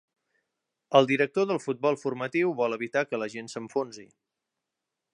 El director del Futbol Formatiu vol evitar que la gent s'enfonsi.